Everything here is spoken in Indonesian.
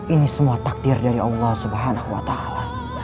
ini semua takdir dari allah allah subhanahu wa ta'ala